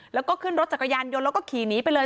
แล้วก็ขึ้นรถจักรยานยนต์แล้วก็ขี่หนีไปเลย